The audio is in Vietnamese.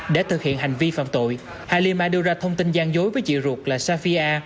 để thực hiện hành vi phạm tội halima đưa ra thông tin gian dối với chị ruột là safia